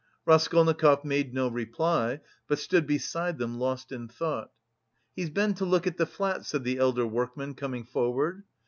Raskolnikov made no reply, but stood beside them lost in thought. "He's been to look at the flat," said the elder workman, coming forward.